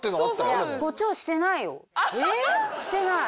してない。